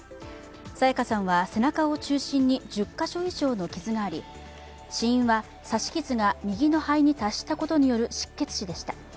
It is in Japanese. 彩加さんは背中を中心に１０カ所以上の傷があり死因は刺し傷が右の肺に達したことによる失血死でした。